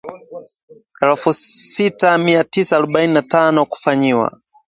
elfu sita mia tisa arobaini na tano kufanyiwa